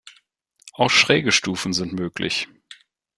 Auch schräge Stufen sind möglich.